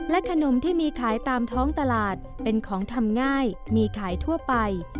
ขนมที่มีขายตามท้องตลาดเป็นของทำง่ายมีขายทั่วไป